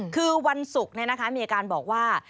คือวันศุกร์นี่นะคะมีการบอกว่า